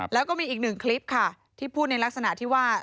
แล้วก็มีอีกหนึ่งคลิปค่ะที่พูดในลักษณะที่ว่า